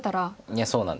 いやそうなんです。